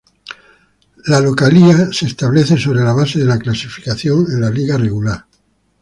La localía se establece sobre la base de la clasificación en la liga regular.